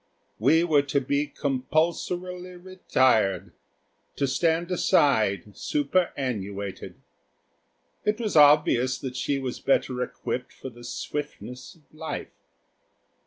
We were to be compulsorily retired; to stand aside superannuated. It was obvious that she was better equipped for the swiftness of life.